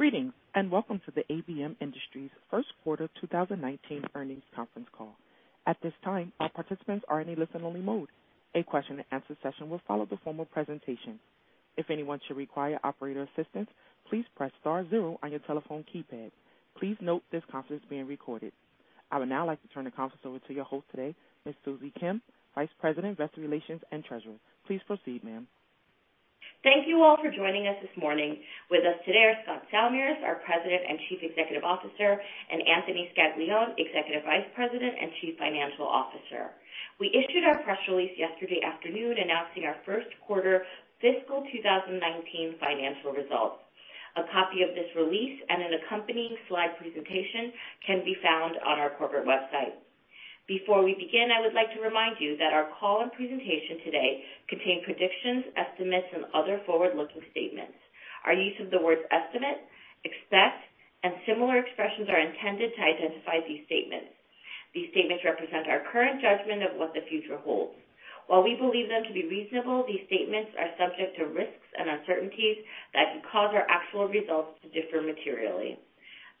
Greetings, and welcome to the ABM Industries First Quarter 2019 Earnings Conference Call. At this time, all participants are in a listen-only mode. A question and answer session will follow the formal presentation. If anyone should require operator assistance, please press star zero on your telephone keypad. Please note this conference is being recorded. I would now like to turn the conference over to your host today, Ms. Susie Kim, Vice President, Investor Relations and Treasurer. Please proceed, ma'am. Thank you all for joining us this morning. With us today are Scott Salmirs, our President and Chief Executive Officer, and Anthony Scaglione, Executive Vice President and Chief Financial Officer. We issued our press release yesterday afternoon announcing our first quarter fiscal 2019 financial results. A copy of this release and an accompanying slide presentation can be found on our corporate website. Before we begin, I would like to remind you that our call and presentation today contain predictions, estimates, and other forward-looking statements. Our use of the words estimate, expect, and similar expressions are intended to identify these statements. These statements represent our current judgment of what the future holds. While we believe them to be reasonable, these statements are subject to risks and uncertainties that could cause our actual results to differ materially.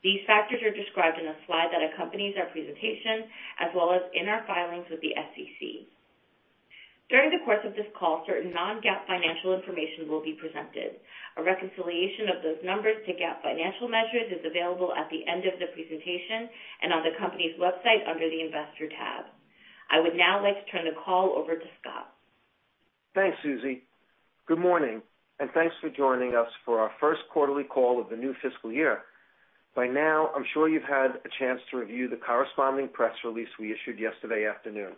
These factors are described in a slide that accompanies our presentation, as well as in our filings with the SEC. During the course of this call, certain non-GAAP financial information will be presented. A reconciliation of those numbers to GAAP financial measures is available at the end of the presentation and on the company's website under the investor tab. I would now like to turn the call over to Scott. Thanks, Susie. Good morning, thanks for joining us for our first quarterly call of the new fiscal year. By now, I'm sure you've had a chance to review the corresponding press release we issued yesterday afternoon.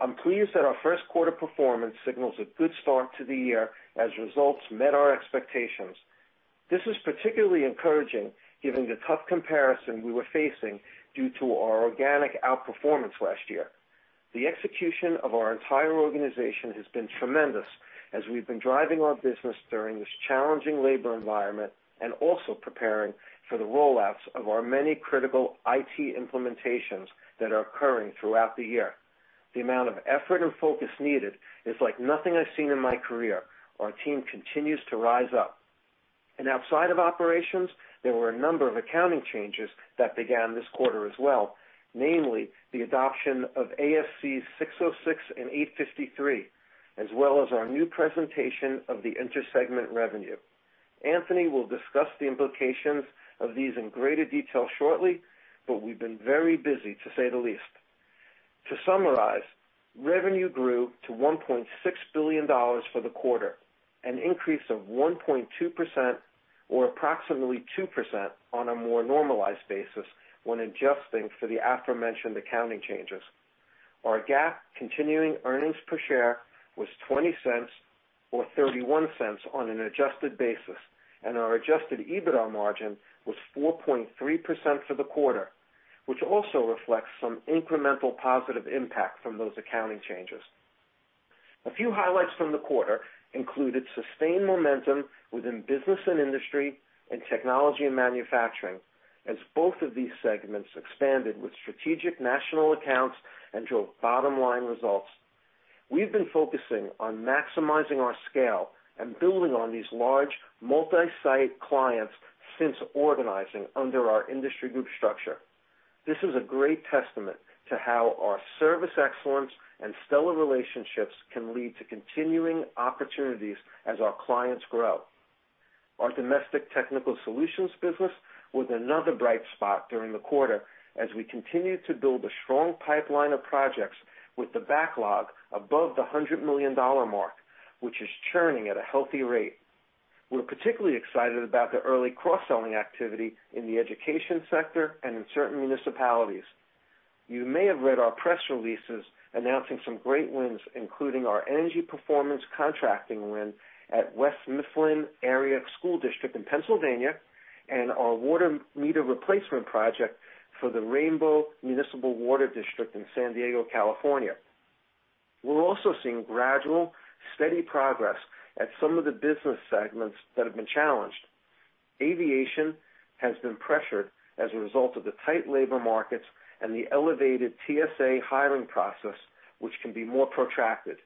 I'm pleased that our first quarter performance signals a good start to the year as results met our expectations. This is particularly encouraging given the tough comparison we were facing due to our organic outperformance last year. The execution of our entire organization has been tremendous as we've been driving our business during this challenging labor environment and also preparing for the roll-outs of our many critical IT implementations that are occurring throughout the year. The amount of effort and focus needed is like nothing I've seen in my career. Our team continues to rise up. Outside of operations, there were a number of accounting changes that began this quarter as well, namely the adoption of ASC 606 and 853, as well as our new presentation of the inter-segment revenue. Anthony will discuss the implications of these in greater detail shortly. We've been very busy to say the least. To summarize, revenue grew to $1.6 billion for the quarter, an increase of 1.2% or approximately 2% on a more normalized basis when adjusting for the aforementioned accounting changes. Our GAAP continuing earnings per share was $0.20 or $0.31 on an adjusted basis, and our adjusted EBITDA margin was 4.3% for the quarter, which also reflects some incremental positive impact from those accounting changes. A few highlights from the quarter included sustained momentum within business and industry and technology and manufacturing, as both of these segments expanded with strategic national accounts and drove bottom-line results. We've been focusing on maximizing our scale and building on these large multi-site clients since organizing under our industry group structure. This is a great testament to how our service excellence and stellar relationships can lead to continuing opportunities as our clients grow. Our domestic Technical Solutions business was another bright spot during the quarter as we continued to build a strong pipeline of projects with the backlog above the $100 million mark, which is churning at a healthy rate. We're particularly excited about the early cross-selling activity in the education sector and in certain municipalities. You may have read our press releases announcing some great wins, including our energy performance contracting win at West Mifflin Area School District in Pennsylvania, and our water meter replacement project for the Rainbow Municipal Water District in San Diego, California. We're also seeing gradual, steady progress at some of the business segments that have been challenged. Aviation has been pressured as a result of the tight labor markets and the elevated TSA hiring process, which can be more protracted.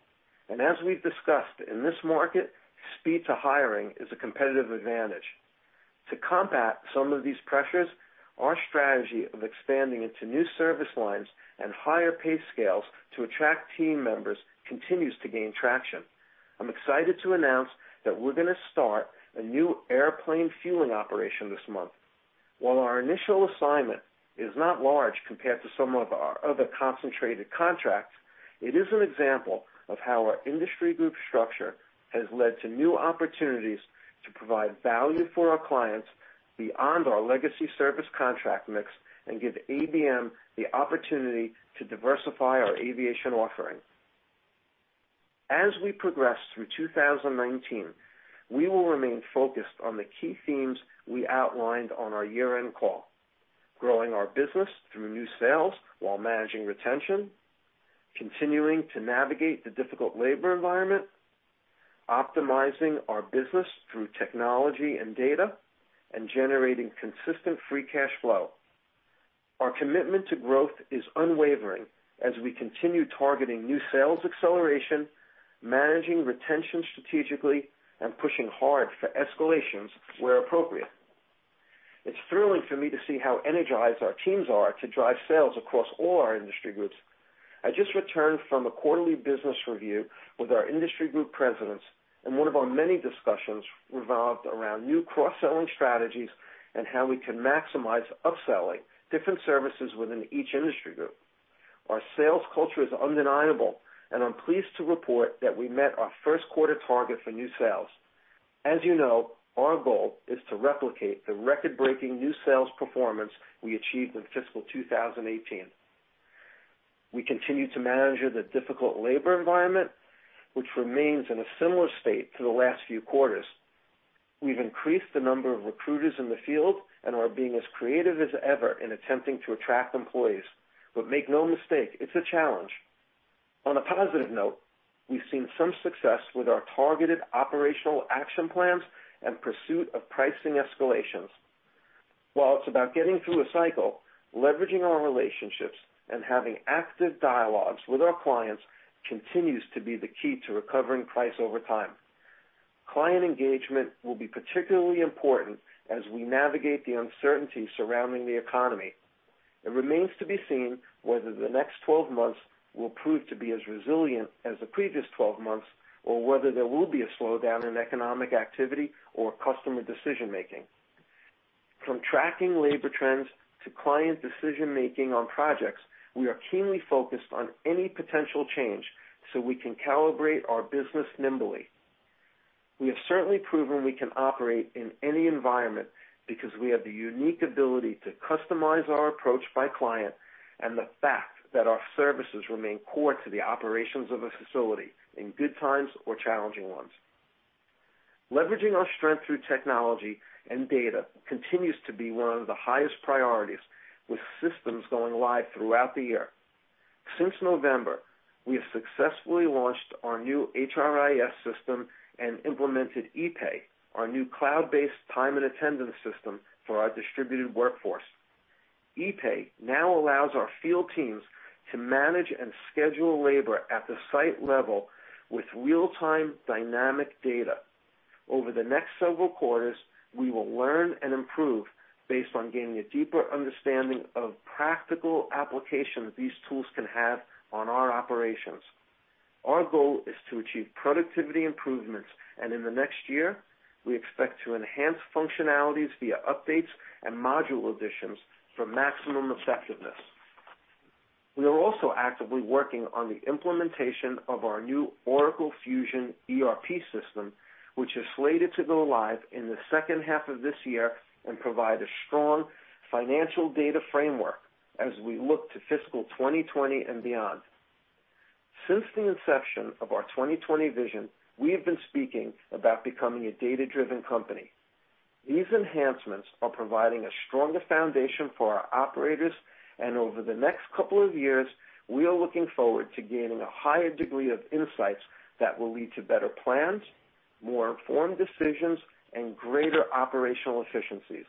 As we've discussed in this market, speed to hiring is a competitive advantage. To combat some of these pressures, our strategy of expanding into new service lines and higher pay scales to attract team members continues to gain traction. I'm excited to announce that we're going to start a new airplane fueling operation this month. While our initial assignment is not large compared to some of our other concentrated contracts, it is an example of how our industry group structure has led to new opportunities to provide value for our clients beyond our legacy service contract mix and give ABM the opportunity to diversify our aviation offering. As we progress through 2019, we will remain focused on the key themes we outlined on our year-end call. Growing our business through new sales while managing retention. Continuing to navigate the difficult labor environment. Optimizing our business through technology and data, and generating consistent free cash flow. Our commitment to growth is unwavering as we continue targeting new sales acceleration, managing retention strategically, and pushing hard for escalations where appropriate. It's thrilling for me to see how energized our teams are to drive sales across all our industry groups. I just returned from a quarterly business review with our industry group presidents. One of our many discussions revolved around new cross-selling strategies and how we can maximize upselling different services within each industry group. Our sales culture is undeniable, and I'm pleased to report that we met our first quarter target for new sales. As you know, our goal is to replicate the record-breaking new sales performance we achieved in fiscal 2018. We continue to manage the difficult labor environment, which remains in a similar state to the last few quarters. We've increased the number of recruiters in the field and are being as creative as ever in attempting to attract employees. Make no mistake, it's a challenge. On a positive note, we've seen some success with our targeted operational action plans and pursuit of pricing escalations. While it's about getting through a cycle, leveraging our relationships and having active dialogues with our clients continues to be the key to recovering price over time. Client engagement will be particularly important as we navigate the uncertainty surrounding the economy. It remains to be seen whether the next 12 months will prove to be as resilient as the previous 12 months, or whether there will be a slowdown in economic activity or customer decision-making. From tracking labor trends to client decision-making on projects, we are keenly focused on any potential change so we can calibrate our business nimbly. We have certainly proven we can operate in any environment because we have the unique ability to customize our approach by client and the fact that our services remain core to the operations of a facility in good times or challenging ones. Leveraging our strength through technology and data continues to be one of the highest priorities, with systems going live throughout the year. Since November, we have successfully launched our new HRIS system and implemented EPAY, our new cloud-based time and attendance system for our distributed workforce. EPAY now allows our field teams to manage and schedule labor at the site level with real-time dynamic data. Over the next several quarters, we will learn and improve based on gaining a deeper understanding of practical application these tools can have on our operations. Our goal is to achieve productivity improvements. In the next year, we expect to enhance functionalities via updates and module additions for maximum effectiveness. We are also actively working on the implementation of our new Oracle Fusion ERP system, which is slated to go live in the second half of this year and provide a strong financial data framework as we look to fiscal 2020 and beyond. Since the inception of our 2020 Vision, we have been speaking about becoming a data-driven company. These enhancements are providing a stronger foundation for our operators. Over the next couple of years, we are looking forward to gaining a higher degree of insights that will lead to better plans, more informed decisions, and greater operational efficiencies.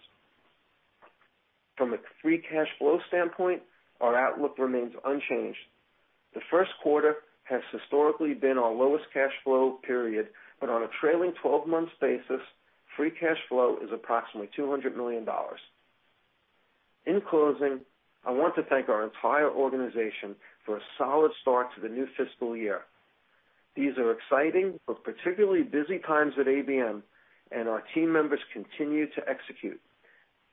From a free cash flow standpoint, our outlook remains unchanged. The first quarter has historically been our lowest cash flow period. On a trailing 12-month basis, free cash flow is approximately $200 million. In closing, I want to thank our entire organization for a solid start to the new fiscal year. These are exciting but particularly busy times at ABM, and our team members continue to execute.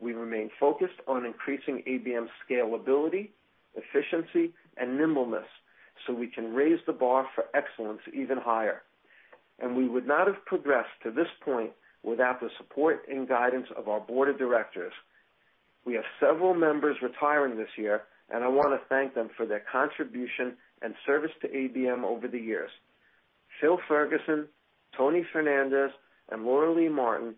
We remain focused on increasing ABM scalability, efficiency, and nimbleness so we can raise the bar for excellence even higher. We would not have progressed to this point without the support and guidance of our board of directors. We have several members retiring this year, and I want to thank them for their contribution and service to ABM over the years. Phil Ferguson, Tony Fernandes, and Lauralee Martin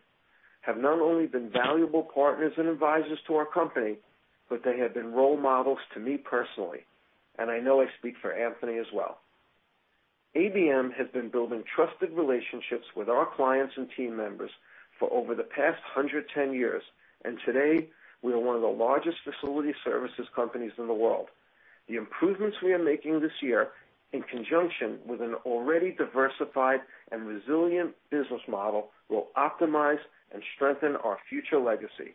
have not only been valuable partners and advisors to our company, but they have been role models to me personally, and I know I speak for Anthony as well. ABM has been building trusted relationships with our clients and team members for over the past 110 years, and today, we are one of the largest facility services companies in the world. The improvements we are making this year, in conjunction with an already diversified and resilient business model, will optimize and strengthen our future legacy.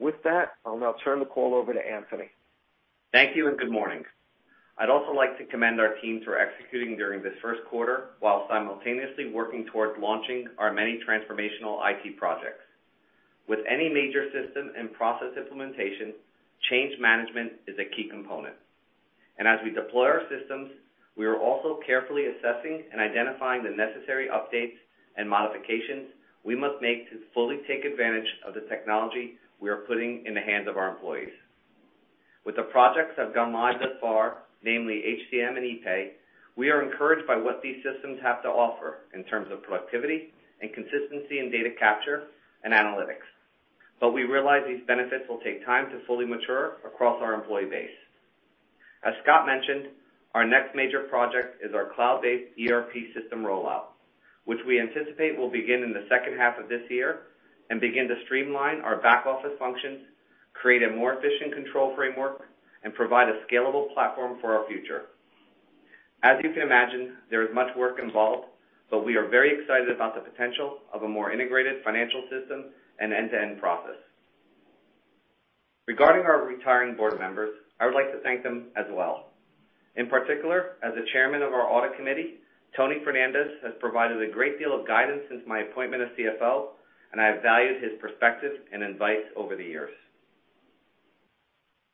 With that, I'll now turn the call over to Anthony. Thank you, good morning. I'd also like to commend our teams for executing during this first quarter while simultaneously working toward launching our many transformational IT projects. With any major system and process implementation, change management is a key component, and as we deploy our systems, we are also carefully assessing and identifying the necessary updates and modifications we must make to fully take advantage of the technology we are putting in the hands of our employees. With the projects that have gone live thus far, namely HCM and EPAY, we are encouraged by what these systems have to offer in terms of productivity and consistency in data capture and analytics. We realize these benefits will take time to fully mature across our employee base. As Scott mentioned, our next major project is our cloud-based ERP system rollout, which we anticipate will begin in the second half of this year, begin to streamline our back office functions, create a more efficient control framework, and provide a scalable platform for our future. As you can imagine, there is much work involved, we are very excited about the potential of a more integrated financial system and end-to-end process. Regarding our retiring board members, I would like to thank them as well. In particular, as the chairman of our audit committee, Tony Fernandes has provided a great deal of guidance since my appointment as CFO, I have valued his perspective and advice over the years.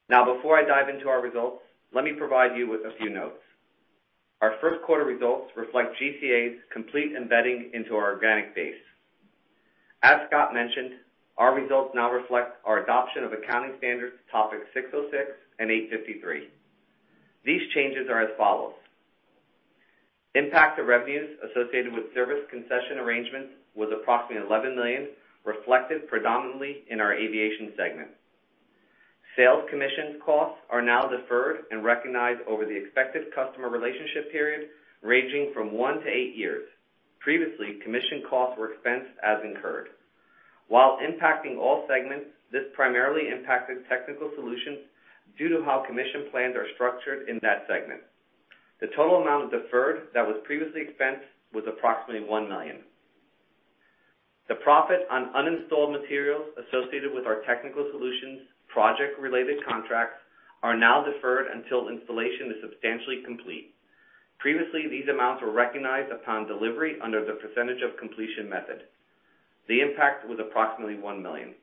Before I dive into our results, let me provide you with a few notes. Our first quarter results reflect GCA's complete embedding into our organic base. As Scott mentioned, our results now reflect our adoption of Accounting Standards topic 606 and 853. These changes are as follows. Impact to revenues associated with service concession arrangements was approximately $11 million, reflected predominantly in our aviation segment. Sales commission costs are now deferred and recognized over the expected customer relationship period, ranging from one to eight years. Previously, commission costs were expensed as incurred. While impacting all segments, this primarily impacted Technical Solutions due to how commission plans are structured in that segment. The total amount deferred that was previously expensed was approximately $1 million. The profit on uninstalled materials associated with our Technical Solutions project-related contracts are now deferred until installation is substantially complete. Previously, these amounts were recognized upon delivery under the percentage of completion method. The impact was approximately $1 million.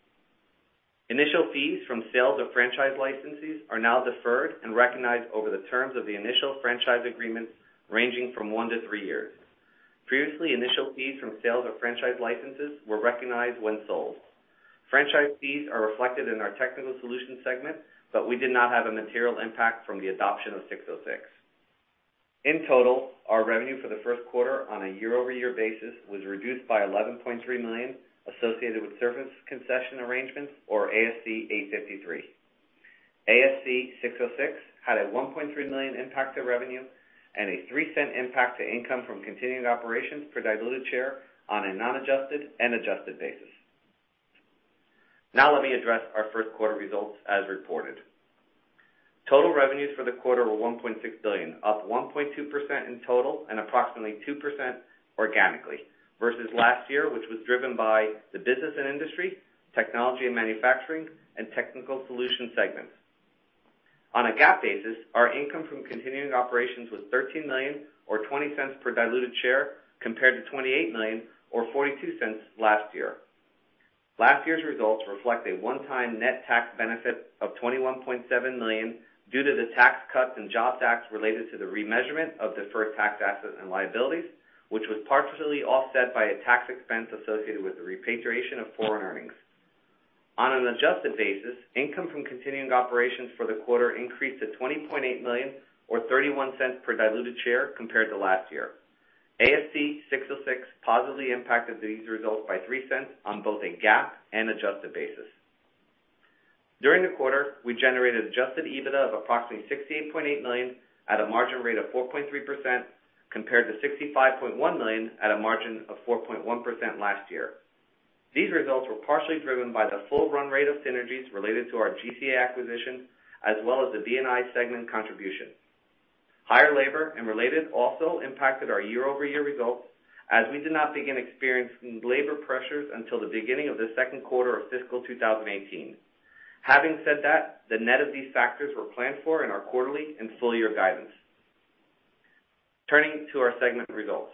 Initial fees from sales of franchise licenses are now deferred and recognized over the terms of the initial franchise agreements, ranging from one to three years. Previously, initial fees from sales of franchise licenses were recognized when sold. Franchise fees are reflected in our Technical Solutions segment, but we did not have a material impact from the adoption of 606. In total, our revenue for the first quarter on a year-over-year basis was reduced by $11.3 million associated with service concession arrangements or ASC 853. ASC 606 had a $1.3 million impact to revenue and a $0.03 impact to income from continuing operations per diluted share on a non-adjusted and adjusted basis. Now let me address our first quarter results as reported. Total revenues for the quarter were $1.6 billion, up 1.2% in total and approximately 2% organically versus last year, which was driven by the Business and Industry, Technology and Manufacturing, and Technical Solutions segments. On a GAAP basis, our income from continuing operations was $13 million, or $0.20 per diluted share compared to $28 million or $0.42 last year. Last year's results reflect a one-time net tax benefit of $21.7 million due to the Tax Cuts and Jobs Act related to the remeasurement of deferred tax assets and liabilities, which was partially offset by a tax expense associated with the repatriation of foreign earnings. On an adjusted basis, income from continuing operations for the quarter increased to $20.8 million, or $0.31 per diluted share compared to last year. ASC 606 positively impacted these results by $0.03 on both a GAAP and adjusted basis. During the quarter, we generated adjusted EBITDA of approximately $68.8 million at a margin rate of 4.3%, compared to $65.1 million at a margin of 4.1% last year. These results were partially driven by the full run rate of synergies related to our GCA acquisition, as well as the B&I segment contribution. Higher labor and related also impacted our year-over-year results, as we did not begin experiencing labor pressures until the beginning of the second quarter of fiscal 2018. Having said that, the net of these factors were planned for in our quarterly and full-year guidance. Turning to our segment results.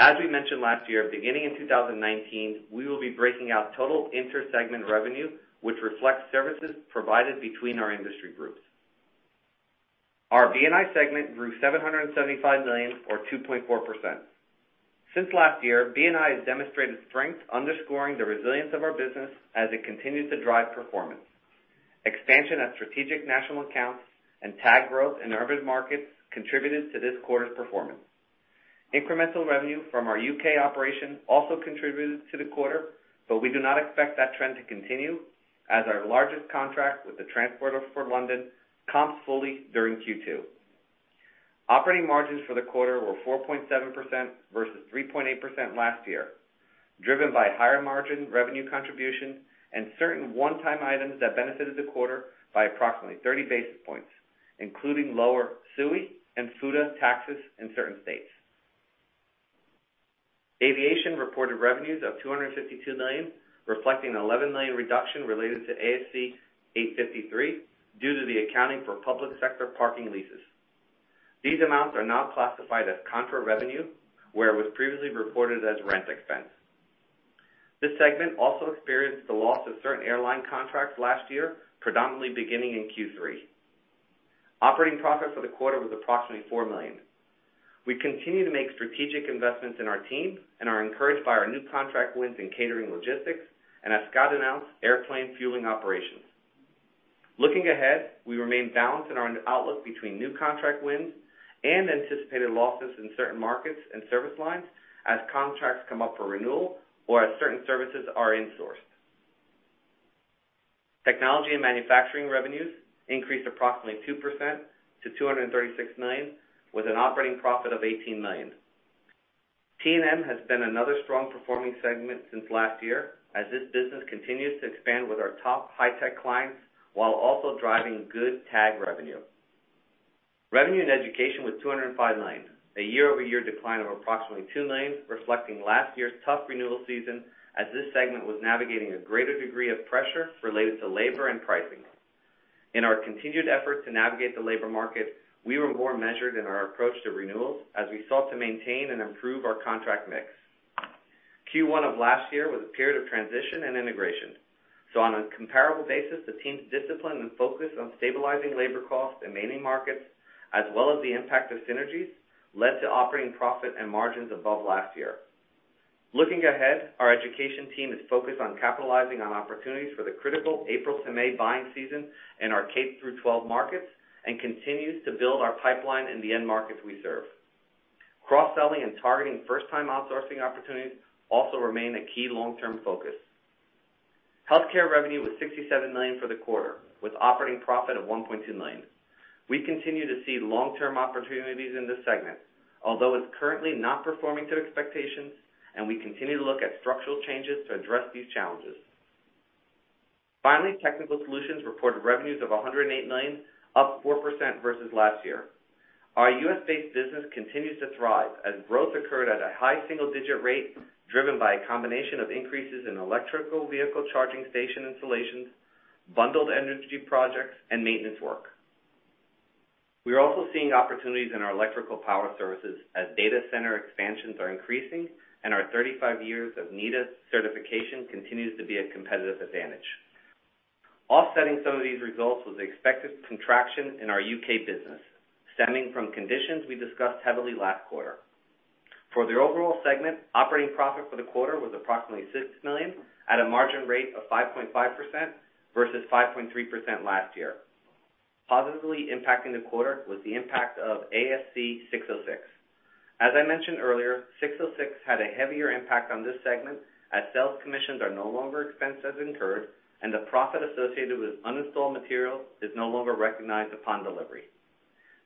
As we mentioned last year, beginning in 2019, we will be breaking out total inter-segment revenue, which reflects services provided between our industry groups. Our B&I segment grew $775 million or 2.4%. Since last year, B&I has demonstrated strength underscoring the resilience of our business as it continues to drive performance. Expansion of strategic national accounts and tag growth in urban markets contributed to this quarter's performance. Incremental revenue from our U.K. operation also contributed to the quarter, but we do not expect that trend to continue, as our largest contract with Transport for London comps fully during Q2. Operating margins for the quarter were 4.7% versus 3.8% last year, driven by higher margin revenue contribution and certain one-time items that benefited the quarter by approximately 30 basis points, including lower SUI and FUTA taxes in certain states. Aviation reported revenues of $252 million, reflecting an $11 million reduction related to ASC 853 due to the accounting for public sector parking leases. These amounts are now classified as contra revenue, where it was previously reported as rent expense. This segment also experienced the loss of certain airline contracts last year, predominantly beginning in Q3. Operating profits for the quarter was approximately $4 million. We continue to make strategic investments in our team and are encouraged by our new contract wins in catering logistics and, as Scott announced, airplane fueling operations. Looking ahead, we remain balanced in our outlook between new contract wins and anticipated losses in certain markets and service lines as contracts come up for renewal or as certain services are insourced. Technology and manufacturing revenues increased approximately 2% to $236 million, with an operating profit of $18 million. T&M has been another strong-performing segment since last year, as this business continues to expand with our top high-tech clients while also driving good tag revenue. Revenue in education was $205 million, a year-over-year decline of approximately $2 million, reflecting last year's tough renewal season as this segment was navigating a greater degree of pressure related to labor and pricing. In our continued effort to navigate the labor market, we were more measured in our approach to renewals as we sought to maintain and improve our contract mix. Q1 of last year was a period of transition and integration. On a comparable basis, the team's discipline and focus on stabilizing labor costs and maintaining markets, as well as the impact of synergies, led to operating profit and margins above last year. Looking ahead, our education team is focused on capitalizing on opportunities for the critical April to May buying season in our K-12 markets, and continues to build our pipeline in the end markets we serve. Cross-selling and targeting first-time outsourcing opportunities also remain a key long-term focus. Healthcare revenue was $67 million for the quarter, with operating profit of $1.2 million. We continue to see long-term opportunities in this segment, although it's currently not performing to expectations and we continue to look at structural changes to address these challenges. Finally, Technical Solutions reported revenues of $108 million, up 4% versus last year. Our U.S.-based business continues to thrive as growth occurred at a high single-digit rate, driven by a combination of increases in electric vehicle charging station installations, bundled energy projects, and maintenance work. We are also seeing opportunities in our electrical power services as data center expansions are increasing and our 35 years of NECA certification continues to be a competitive advantage. Offsetting some of these results was the expected contraction in our U.K. business, stemming from conditions we discussed heavily last quarter. For the overall segment, operating profit for the quarter was approximately $6 million at a margin rate of 5.5% versus 5.3% last year. Positively impacting the quarter was the impact of ASC 606. As I mentioned earlier, 606 had a heavier impact on this segment as sales commissions are no longer expensed as incurred and the profit associated with uninstalled material is no longer recognized upon delivery.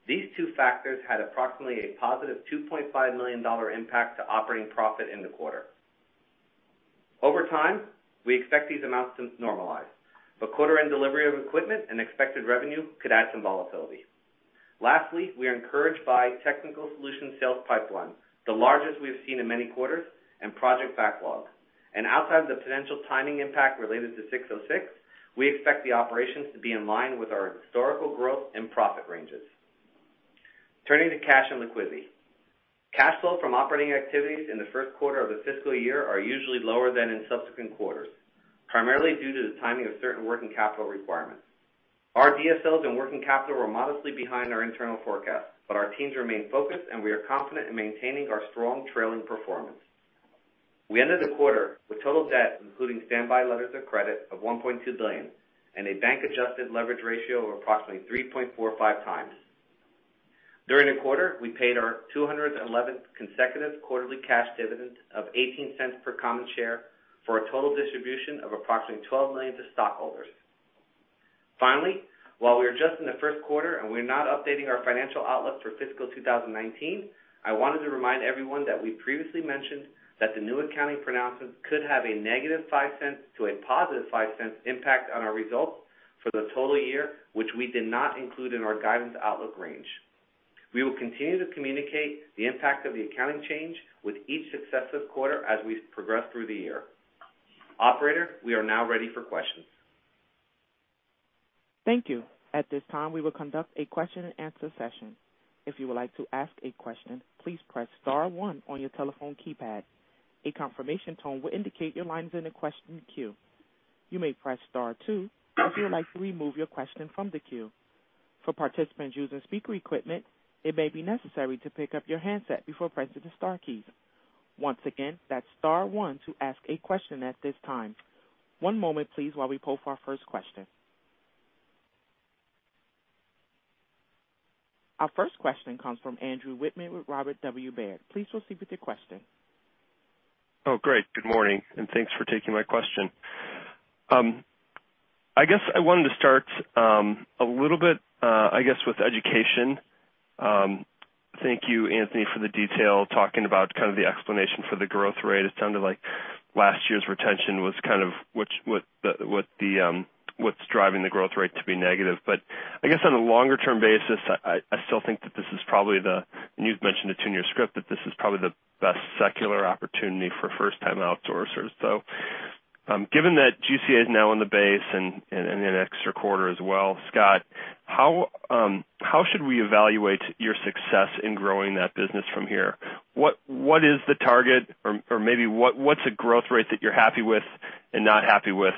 These two factors had approximately a positive $2.5 million impact to operating profit in the quarter. Over time, we expect these amounts to normalize, but quarter-end delivery of equipment and expected revenue could add some volatility. Lastly, we are encouraged by Technical Solutions sales pipeline, the largest we've seen in many quarters, and project backlog. Outside of the potential timing impact related to 606, we expect the operations to be in line with our historical growth and profit ranges. Turning to cash and liquidity. Cash flow from operating activities in the first quarter of the fiscal year are usually lower than in subsequent quarters, primarily due to the timing of certain working capital requirements. Our DSOs and working capital were modestly behind our internal forecast, but our teams remain focused, and we are confident in maintaining our strong trailing performance. We ended the quarter with total debt, including standby letters of credit, of $1.2 billion and a bank-adjusted leverage ratio of approximately 3.45 times. During the quarter, we paid our 211th consecutive quarterly cash dividend of $0.18 per common share for a total distribution of approximately $12 million to stockholders. Finally, while we are just in the first quarter and we are not updating our financial outlook for fiscal 2019, I wanted to remind everyone that we previously mentioned that the new accounting pronouncement could have a negative $0.05 to a positive $0.05 impact on our results for the total year, which we did not include in our guidance outlook range. We will continue to communicate the impact of the accounting change with each successive quarter as we progress through the year. Operator, we are now ready for questions. Thank you. At this time, we will conduct a question and answer session. If you would like to ask a question, please press star 1 on your telephone keypad. A confirmation tone will indicate your line is in the question queue. You may press star 2 if you would like to remove your question from the queue. For participants using speaker equipment, it may be necessary to pick up your handset before pressing the star keys. Once again, that's star 1 to ask a question at this time. One moment, please, while we poll for our first question. Our first question comes from Andrew Wittmann with Robert W. Baird. Please proceed with your question. Good morning, and thanks for taking my question. I guess I wanted to start a little bit with education. Thank you, Anthony, for the detail, talking about the explanation for the growth rate. It sounded like last year's retention was what's driving the growth rate to be negative. I guess on a longer-term basis, I still think that this is probably the. You've mentioned it in your script, that this is probably the best secular opportunity for first-time outsourcers. Given that GCA is now in the base and an extra quarter as well, Scott, how should we evaluate your success in growing that business from here? What is the target or maybe what's a growth rate that you're happy with and not happy with?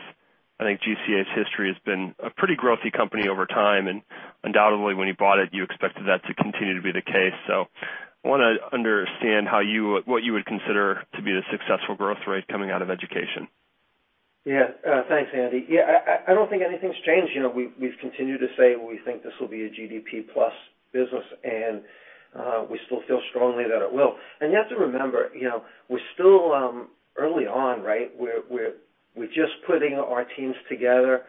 I think GCA's history has been a pretty growth-y company over time, and undoubtedly when you bought it, you expected that to continue to be the case. I want to understand what you would consider to be the successful growth rate coming out of education. Thanks, Andy. I don't think anything's changed. We've continued to say we think this will be a GDP plus business, and we still feel strongly that it will. You have to remember, we're still early on, right? We're just putting our teams together.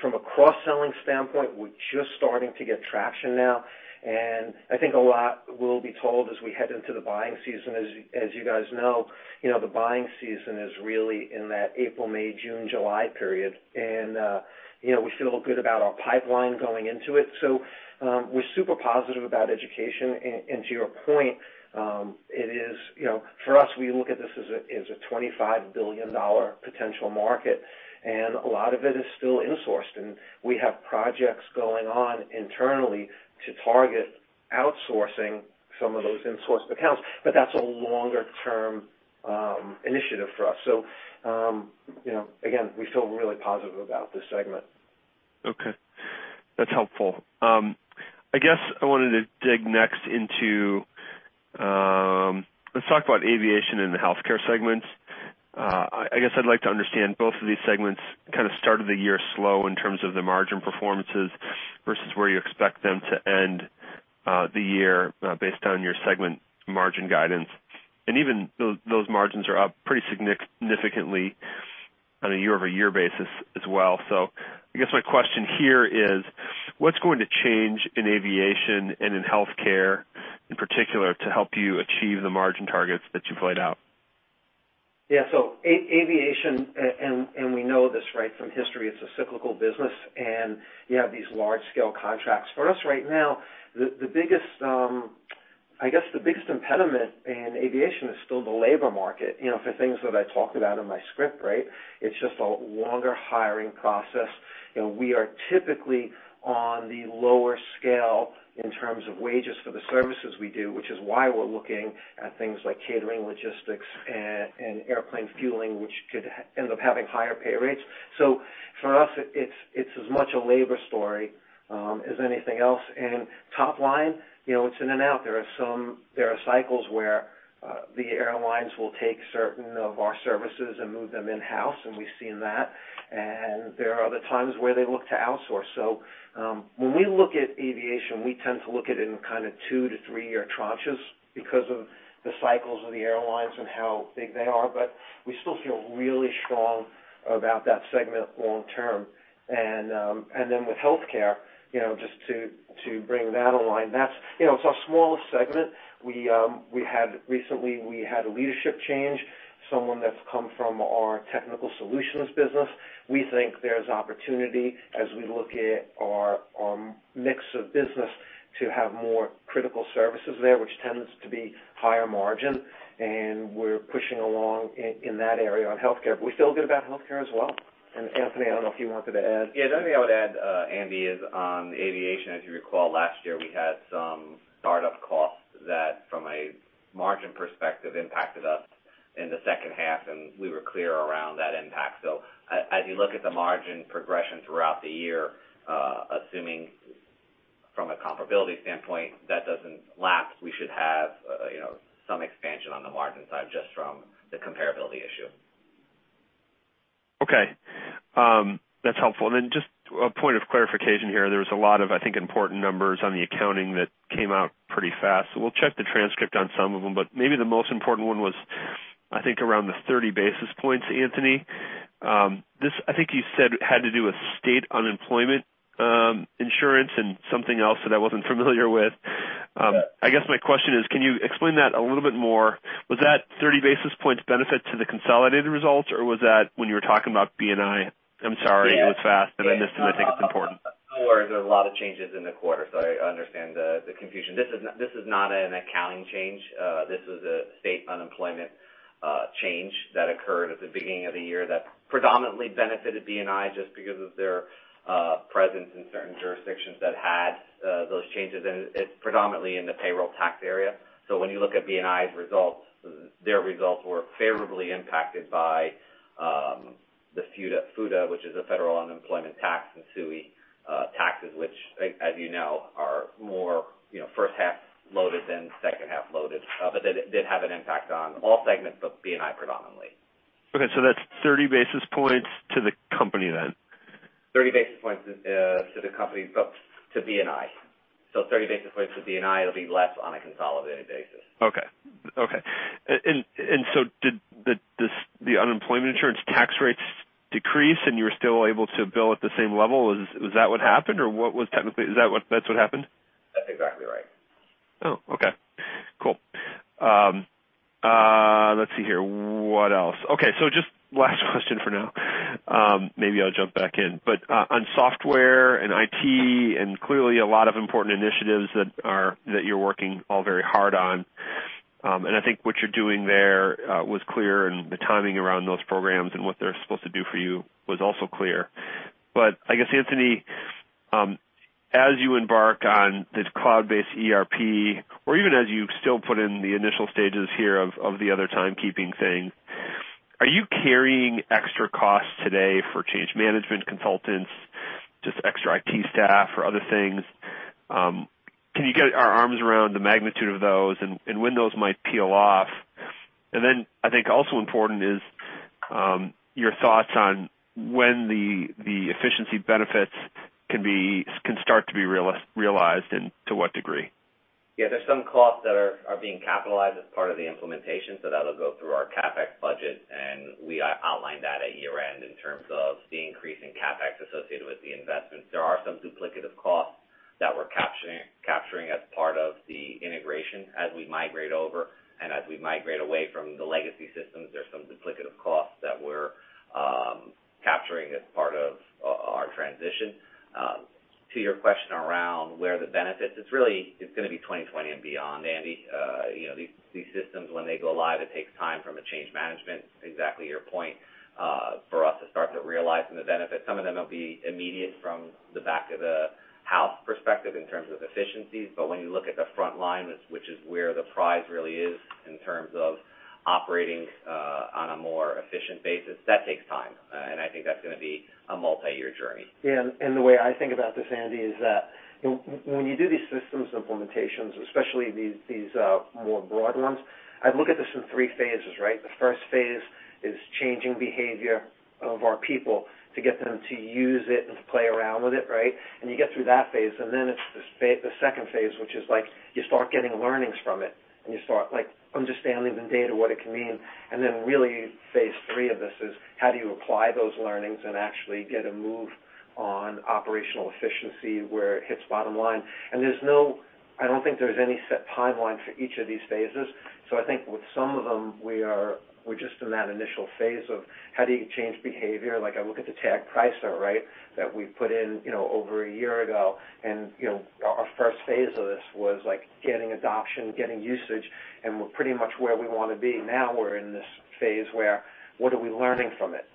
From a cross-selling standpoint, we're just starting to get traction now, and I think a lot will be told as we head into the buying season. As you guys know, the buying season is really in that April, May, June, July period. We feel good about our pipeline going into it. We're super positive about education. To your point, for us, we look at this as a $25 billion potential market, and a lot of it is still insourced. We have projects going on internally to target outsourcing some of those insourced accounts, but that's a longer-term initiative for us. Again, we feel really positive about this segment. Okay. That's helpful. I guess I wanted to dig next into aviation and the healthcare segments. I guess I'd like to understand both of these segments kind of started the year slow in terms of the margin performances versus where you expect them to end the year based on your segment margin guidance. Even those margins are up pretty significantly on a year-over-year basis as well. I guess my question here is what's going to change in aviation and in healthcare in particular to help you achieve the margin targets that you've laid out? Yeah. Aviation, and we know this from history, it's a cyclical business, and you have these large-scale contracts. For us right now, I guess the biggest impediment in aviation is still the labor market, for things that I talked about in my script. It's just a longer hiring process. We are typically on the lower scale in terms of wages for the services we do, which is why we're looking at things like catering, logistics, and airplane fueling, which could end up having higher pay rates. For us, it's as much a labor story as anything else. Top line, it's in and out. There are cycles where the airlines will take certain of our services and move them in-house, and we've seen that, and there are other times where they look to outsource. When we look at aviation, we tend to look at it in kind of two- to three-year tranches because of the cycles of the airlines and how big they are. We still feel really strong about that segment long term. Then with healthcare, just to bring that online, it's our smallest segment. Recently, we had a leadership change, someone that's come from our Technical Solutions business. We think there's opportunity as we look at our mix of business to have more critical services there, which tends to be higher margin, and we're pushing along in that area on healthcare. We feel good about healthcare as well, and Anthony, I don't know if you wanted to add. Yeah. The only thing I would add, Andy, is on aviation, if you recall, last year, we had some startup costs that, from a margin perspective, impacted us in the second half, and we were clear around that impact. As you look at the margin progression throughout the year, assuming from a comparability standpoint, that doesn't lapse, we should have some expansion on the margin side just from the comparability issue. Okay. That's helpful. Just a point of clarification here. There was a lot of, I think, important numbers on the accounting that came out pretty fast. We'll check the transcript on some of them, but maybe the most important one was, I think, around the 30 basis points, Anthony. This, I think you said, had to do with state unemployment insurance and something else that I wasn't familiar with. Yes. I guess my question is, can you explain that a little bit more? Was that 30 basis points benefit to the consolidated results, or was that when you were talking about B&I? I'm sorry. It was fast, and I missed, and I think it's important. No worries. There were a lot of changes in the quarter, so I understand the confusion. This is not an accounting change. This is a state unemployment change that occurred at the beginning of the year that predominantly benefited B&I just because of their presence in certain jurisdictions that had those changes. It's predominantly in the payroll tax area. When you look at B&I's results, their results were favorably impacted by the FUTA, which is a federal unemployment tax, and SUI taxes, which, as you know, are more first-half loaded than second-half loaded. Did have an impact on all segments, but B&I predominantly. Okay, that's 30 basis points to the company then? 30 basis points to the company, but to B&I. 30 basis points to B&I, it'll be less on a consolidated basis. Okay. Did the unemployment insurance tax rates decrease and you were still able to bill at the same level? Is that what happened? That's exactly right. Oh, okay. Cool. Let's see here. What else? Okay, just last question for now. Maybe I'll jump back in. On software and IT, clearly a lot of important initiatives that you're working all very hard on. I think what you're doing there was clear, and the timing around those programs and what they're supposed to do for you was also clear. I guess, Anthony, as you embark on this cloud-based ERP, or even as you still put in the initial stages here of the other timekeeping thing, are you carrying extra costs today for change management consultants, just extra IT staff or other things? Can you get our arms around the magnitude of those and when those might peel off? And then I think also important is your thoughts on when the efficiency benefits can start to be realized, and to what degree? Yeah. There are some costs that are being capitalized as part of the implementation, so that will go through our CapEx budget, and we outlined that at year-end in terms of the increase in CapEx associated with the investments. There are some duplicative costs that we are capturing as part of the integration as we migrate over and as we migrate away from the legacy systems. There are some duplicative costs that we are capturing as part of our transition. To your question around where the benefits, it is going to be 2020 and beyond, Andy. These systems, when they go live, it takes time from a change management, exactly your point, for us to start to realize some of the benefits. Some of them will be immediate from the back of the house perspective in terms of efficiencies, when you look at the front line, which is where the prize really is in terms of operating on a more efficient basis, that takes time. I think that is going to be a multi-year journey. Yeah. The way I think about this, Andy, is that when you do these systems implementations, especially these more broad ones, I would look at this in three phases, right? The first phase is changing behavior of our people to get them to use it and to play around with it, right? You get through that phase, then it is the second phase, which is you start getting learnings from it, and you start understanding the data, what it can mean. Then really, phase 3 of this is how do you apply those learnings and actually get a move on operational efficiency where it hits bottom line. I do not think there is any set timeline for each of these phases. I think with some of them, we are just in that initial phase of how do you change behavior. Like I look at the tag price, right? That we put in over a year ago, our first phase of this was getting adoption, getting usage, and we are pretty much where we want to be. Now we are in this phase where, what are we learning from it?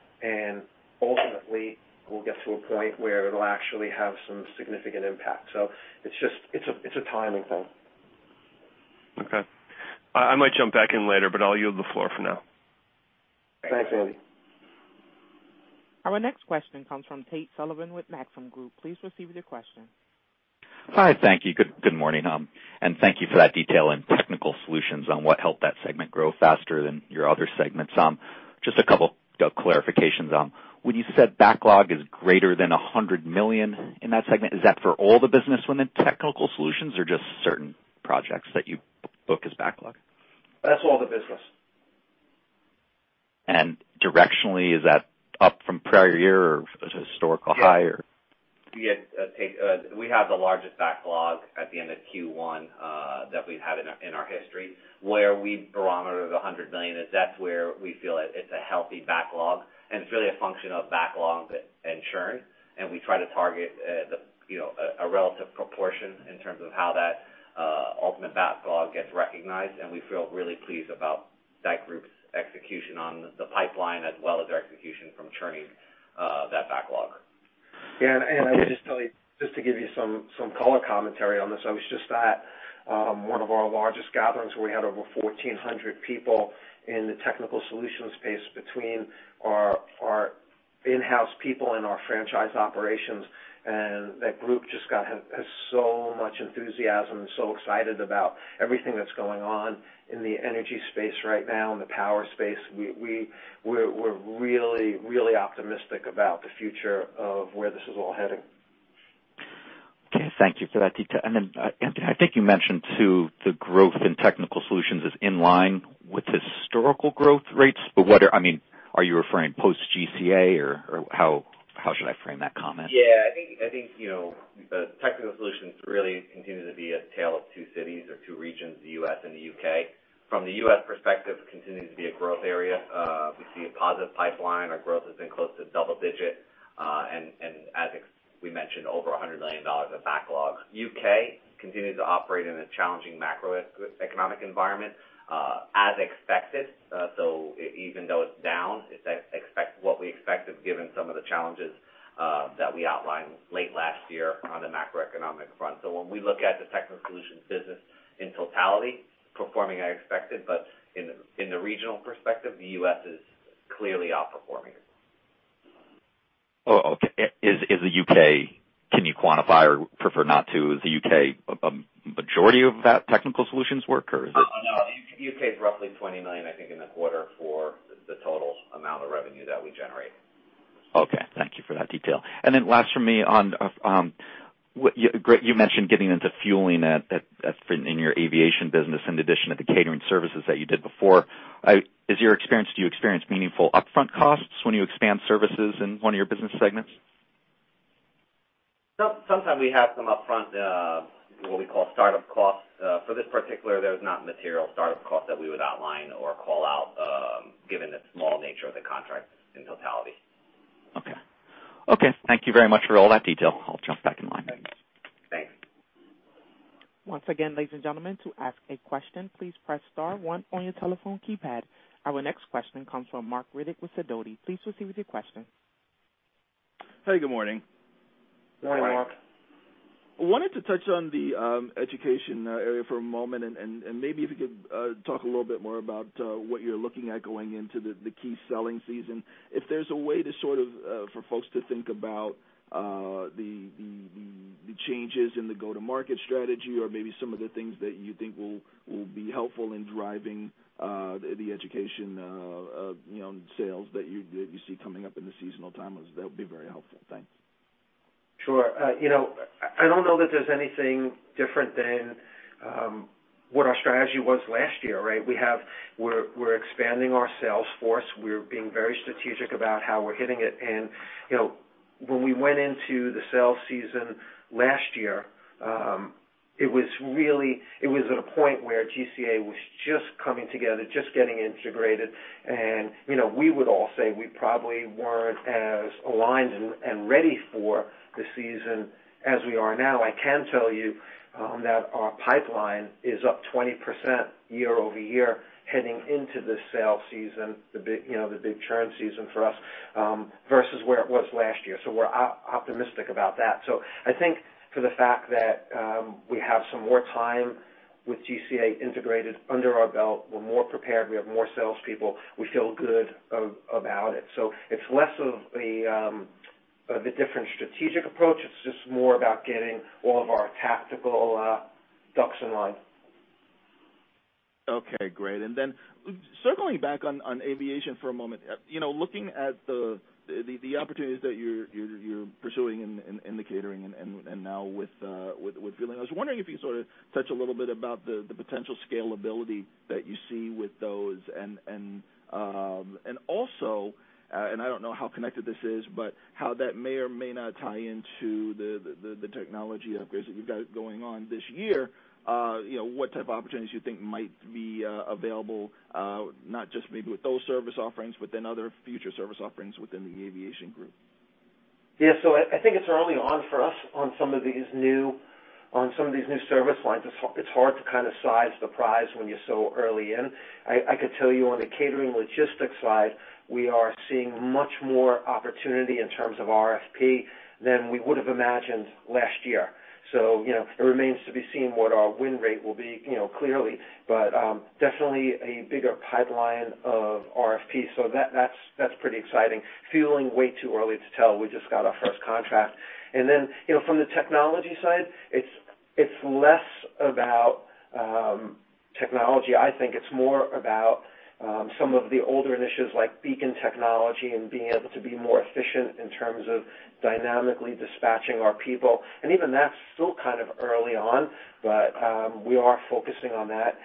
Ultimately, we will get to a point where it will actually have some significant impact. It is a timing thing. Okay. I might jump back in later, but I'll yield the floor for now. Thanks, Andy. Our next question comes from Tate Sullivan with Maxim Group. Please proceed with your question. Hi, thank you. Good morning, and thank you for that detail in Technical Solutions on what helped that segment grow faster than your other segments. Just a couple clarifications. When you said backlog is greater than $100 million in that segment, is that for all the business within Technical Solutions or just certain projects that you book as backlog? That's all the business. Directionally, is that up from prior year or historical high or? Yeah, Tate. We have the largest backlog at the end of Q1 that we've had in our history. Where we barometer the $100 million is that's where we feel it's a healthy backlog, and it's really a function of backlog and churn, and we try to target a relative proportion in terms of how that ultimate backlog gets recognized, and we feel really pleased about that group's execution on the pipeline as well as their execution from churning that backlog. Yeah. I would just tell you, just to give you some color commentary on this, I was just at one of our largest gatherings where we had over 1,400 people in the Technical Solutions space between our in-house people and our franchise operations, and that group just has so much enthusiasm and so excited about everything that's going on in the energy space right now, in the power space. We're really optimistic about the future of where this is all heading. Okay. Thank you for that detail. Anthony, I think you mentioned, too, the growth in Technical Solutions is in line with historical growth rates. Are you referring post-GCA, or how should I frame that comment? Yeah. I think Technical Solutions really continues to be a tale of two cities or two regions, the U.S. and the U.K. From the U.S. perspective, continues to be a growth area. We see a positive pipeline. Our growth has been close to double digit. As we mentioned, over $100 million of backlog. The U.K. continues to operate in a challenging macroeconomic environment, as expected. Even though it's down, what we expected given some of the challenges that we outlined late last year on the macroeconomic front. When we look at the Technical Solutions business in totality, performing as expected. In the regional perspective, the U.S. is clearly outperforming. Oh, okay. Can you quantify or prefer not to? Is the U.K. a majority of that Technical Solutions work, or is it? No. The U.K. is roughly $20 million, I think, in the quarter for the total amount of revenue that we generate. Okay. Thank you for that detail. Last from me on, you mentioned getting into fueling in your aviation business in addition to the catering services that you did before. Do you experience meaningful upfront costs when you expand services in one of your business segments? Sometimes we have some upfront, what we call startup costs. For this particular, there's not material startup cost that we would outline or call out given the small nature of the contract in totality. Okay. Thank you very much for all that detail. I'll jump back in line. Thanks. Once again, ladies and gentlemen, to ask a question, please press star one on your telephone keypad. Our next question comes from Marc Riddick with Sidoti. Please proceed with your question. Hey, good morning. Morning, Marc. I wanted to touch on the education area for a moment, and maybe if you could talk a little bit more about what you're looking at going into the key selling season. If there's a way for folks to think about the changes in the go-to-market strategy or maybe some of the things that you think will be helpful in driving the education of sales that you see coming up in the seasonal timelines. That would be very helpful. Thanks. Sure. I don't know that there's anything different than what our strategy was last year, right? We're expanding our sales force. We're being very strategic about how we're hitting it in. When we went into the sales season last year, it was at a point where GCA was just coming together, just getting integrated, and we would all say we probably weren't as aligned and ready for the season as we are now. I can tell you that our pipeline is up 20% year-over-year heading into the sales season, the big churn season for us, versus where it was last year. We're optimistic about that. I think for the fact that we have some more time with GCA integrated under our belt, we're more prepared, we have more salespeople. We feel good about it. It's less of the different strategic approach. It's just more about getting all of our tactical ducks in line. Okay, great. Circling back on aviation for a moment. Looking at the opportunities that you're pursuing in the catering and now with fueling, I was wondering if you could sort of touch a little bit about the potential scalability that you see with those. Also, I don't know how connected this is, but how that may or may not tie into the technology upgrades that you've got going on this year. What type of opportunities do you think might be available, not just maybe with those service offerings, but other future service offerings within the aviation group? Yeah. I think it's early on for us on some of these new service lines. It's hard to kind of size the prize when you're so early in. I could tell you on the catering logistics side, we are seeing much more opportunity in terms of RFP than we would have imagined last year. It remains to be seen what our win rate will be, clearly. Definitely a bigger pipeline of RFP. That's pretty exciting. Fueling, way too early to tell. We just got our first contract. From the technology side, it's less about technology. I think it's more about some of the older initiatives like beacon technology and being able to be more efficient in terms of dynamically dispatching our people. Even that's still kind of early on, but we are focusing on that.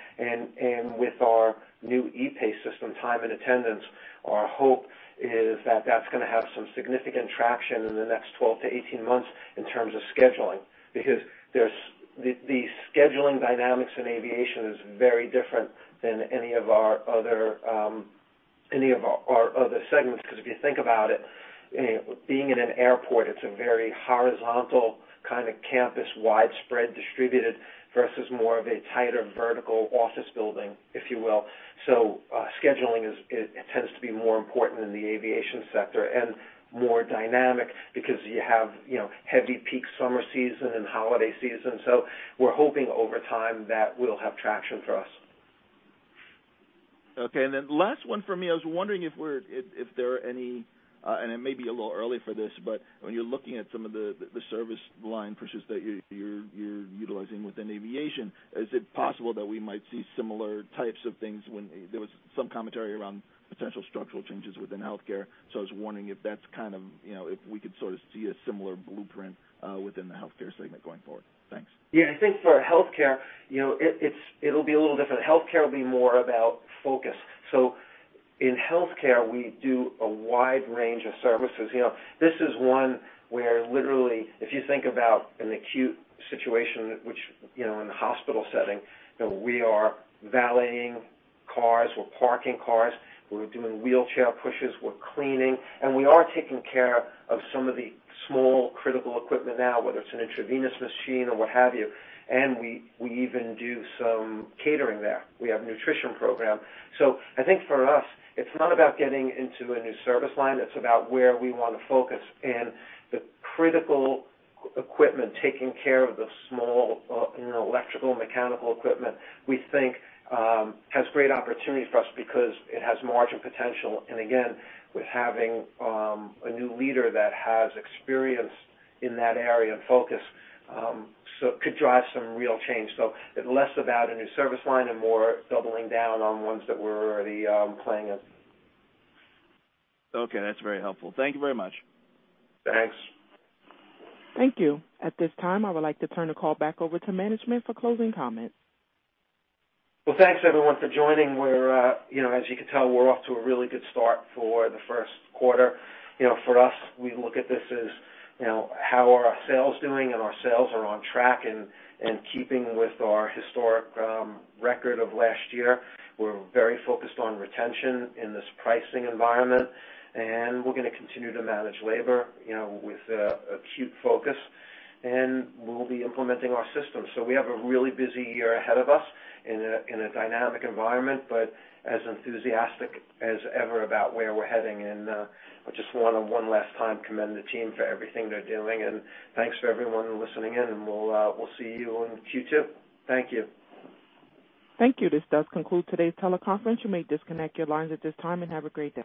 With our new EPAY system, time and attendance, our hope is that that's going to have some significant traction in the next 12-18 months in terms of scheduling, because the scheduling dynamics in aviation is very different than any of our other segments. Because if you think about it, being in an airport, it's a very horizontal kind of campus, widespread distributed, versus more of a tighter vertical office building, if you will. Scheduling tends to be more important in the aviation sector and more dynamic because you have heavy peak summer season and holiday season. We're hoping over time that will have traction for us. Okay. Last one from me. I was wondering if there are any, and it may be a little early for this, but when you're looking at some of the service line pushes that you're utilizing within aviation, is it possible that we might see similar types of things when there was some commentary around potential structural changes within healthcare? I was wondering if we could sort of see a similar blueprint within the healthcare segment going forward. Thanks. Yeah, I think for healthcare, it'll be a little different. Healthcare will be more about focus. In healthcare, we do a wide range of services. This is one where literally, if you think about an acute situation, which in the hospital setting, we are valeting cars, we're parking cars, we're doing wheelchair pushes, we're cleaning, and we are taking care of some of the small critical equipment now, whether it's an intravenous machine or what have you. We even do some catering there. We have a nutrition program. I think for us, it's not about getting into a new service line, it's about where we want to focus. The critical equipment, taking care of the small electrical and mechanical equipment, we think has great opportunity for us because it has margin potential. Again, with having a new leader that has experience in that area and focus, could drive some real change. It's less about a new service line and more doubling down on ones that we're already playing in. Okay, that's very helpful. Thank you very much. Thanks. Thank you. At this time, I would like to turn the call back over to management for closing comments. Thanks everyone for joining. As you can tell, we're off to a really good start for the first quarter. For us, we look at this as how are our sales doing. Our sales are on track and keeping with our historic record of last year. We're very focused on retention in this pricing environment. We're going to continue to manage labor with acute focus, and we'll be implementing our systems. We have a really busy year ahead of us in a dynamic environment, but as enthusiastic as ever about where we're heading. I just want to one last time commend the team for everything they're doing. Thanks for everyone listening in, and we'll see you in the Q2. Thank you. Thank you. This does conclude today's teleconference. You may disconnect your lines at this time, and have a great day.